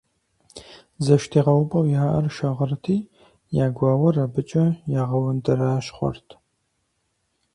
ЗэштегъэупӀэу яӀэр шагъырти, я гуауэр абыкӀэ ягъэундэращхъуэрт.